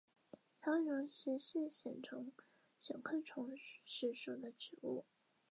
长穗虫实是苋科虫实属的植物。